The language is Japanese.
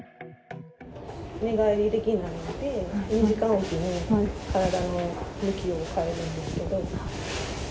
寝返りができないので、２時間置きに体の向きを変えるんですけど。